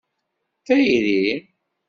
D tayri?